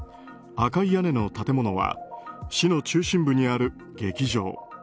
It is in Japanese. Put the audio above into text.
赤い屋根の建物は市の中心部にある劇場。